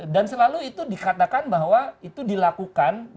dan selalu itu dikatakan bahwa itu dilakukan